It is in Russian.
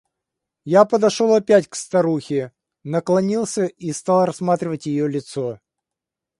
Я подошел опять к старухе, наклонился и стал рассматривать ее лицо.